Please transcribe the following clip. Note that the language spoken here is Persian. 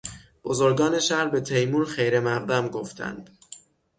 بزرگان شهر به تیمور خیرمقدم گفتند.